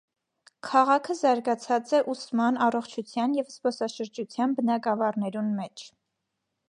Քաղաքը զարգացած է ուսման, առողջութեան եւ զբօսաշրջութեան բնագաւառներուն մէջ։